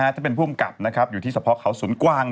ที่เป็นผู้อำกับอยู่ที่สะพ้อเขาศูนย์กวาง